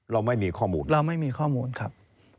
เราไม่มีข้อมูลเราไม่มีข้อมูลครับ